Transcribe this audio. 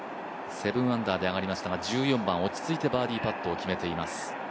７アンダーであがりましたが、１４番、落ち着いてバーディーパットを決めています。